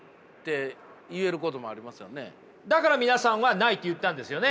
だから皆さんはないと言ったんですよね？